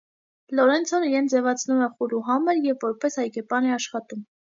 Լորենցոն իրեն ձևացնում է խուլուհամր և որպես այգեպան է աշխատում։